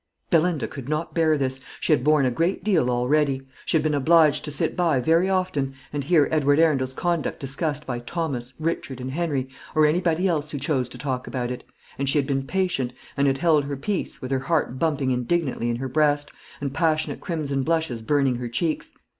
Belinda could not bear this. She had borne a great deal already. She had been obliged to sit by very often, and hear Edward Arundel's conduct discussed by Thomas, Richard, and Henry, or anybody else who chose to talk about it; and she had been patient, and had held her peace, with her heart bumping indignantly in her breast, and passionate crimson blushes burning her cheeks.